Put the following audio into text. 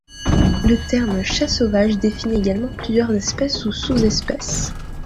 Le terme Chat sauvage définit également plusieurs espèces ou sous-espèces.